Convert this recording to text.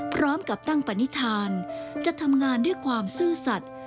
พร้อมกับตั้งปณิธานจะทำงานด้วยความซื่อสัตว์